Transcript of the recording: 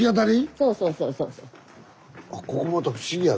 そうそうそうそう。